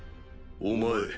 お前